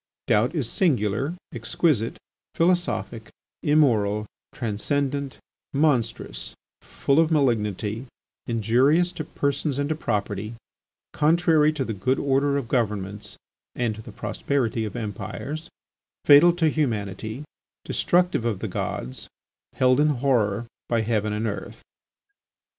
Doubt is singular, exquisite, philosophic, immoral, transcendent, monstrous, full of malignity, injurious to persons and to property, contrary to the good order of governments, and to the prosperity of empires, fatal to humanity, destructive of the gods, held in horror by heaven and earth.